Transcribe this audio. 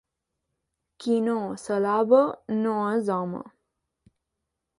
Qui no s'alaba, no és home.